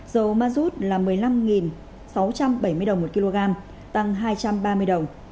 dầu mazut là một mươi năm sáu trăm bảy mươi đồng một kg tăng hai trăm ba mươi đồng